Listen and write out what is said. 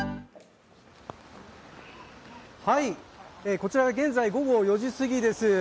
こちらは現在午後４時過ぎです。